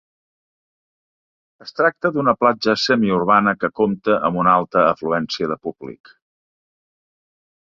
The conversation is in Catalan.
Es tracta d'una platja semiurbana que compta amb una alta afluència de públic.